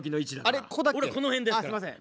ああすいません。